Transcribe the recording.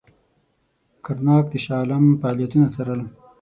کرناک د شاه عالم فعالیتونه څارل.